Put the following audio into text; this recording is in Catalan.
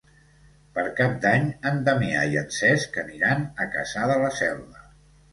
Per Cap d'Any en Damià i en Cesc aniran a Cassà de la Selva.